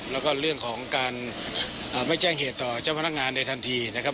แล้วก็เรื่องของการไม่แจ้งเหตุต่อเจ้าพนักงานในทันทีนะครับ